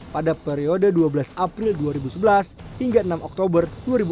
pada periode dua belas april dua ribu sebelas hingga enam oktober dua ribu dua puluh